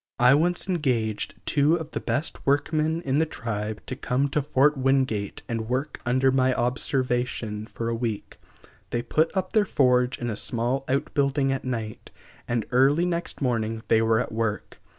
I once engaged two of the best workmen in the tribe to come to Fort Wingate and work under my observation for a week. They put up their forge in a small outbuilding at night, and early next morning they were at work.